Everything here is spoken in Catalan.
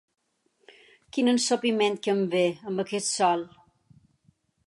Quin ensopiment que em ve, amb aquest sol!